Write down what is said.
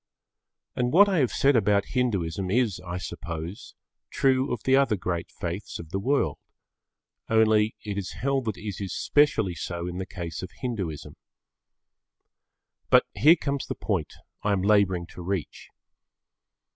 And what I have said about Hinduism is, I suppose, true of the other great faiths of the world, only it is held that it is specially so in the case of Hinduism. But here comes the point I am labouring to reach.